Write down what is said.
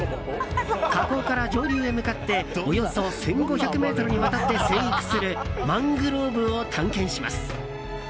河口から上流へ向かっておよそ１５００ｍにわたって生育するマングローブを探検します。